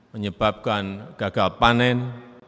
menyebabkan gagal panen